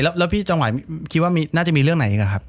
แล้วพี่จังไหวคิดว่าน่าจะมีเรื่องไหนอีกครับ